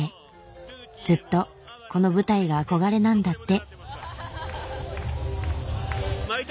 ずっとこの舞台が憧れなんだって。